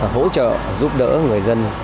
hỗ trợ giúp đỡ người dân